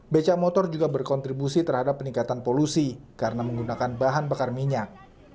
becak motor juga berkontribusi terhadap peningkatan polusi karena menggunakan bahan bakar minyak